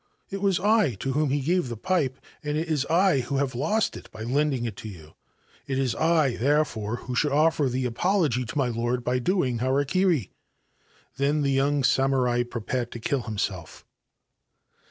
It was I to whom he gave the pe, and it is I who have lost it by lending it to you. It I, therefore, who should offer the apology to my lord r doing harakiri !' Then the young samurai prepared kill himself.